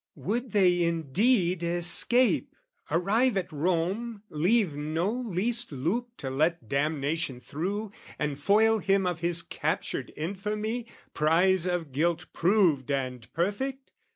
Would they indeed escape, arrive at Rome, Leave no least loop to let damnation through, And foil him of his captured infamy, Prize of guilt proved and perfect?